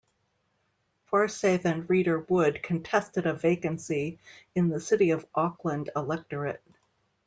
Forsaith and Reader Wood contested a vacancy in the City of Auckland electorate.